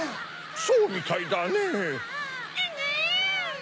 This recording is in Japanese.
そうみたいだねぇ。